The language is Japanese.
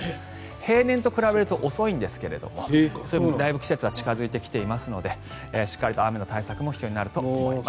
平年と比べると遅いんですがだいぶ季節は近付いてきていますのでしっかりと雨の対策も必要になると思います。